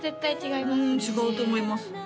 違うと思います